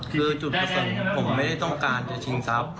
คือจุดประสงค์ผมไม่ได้ต้องการจะชิงทรัพย์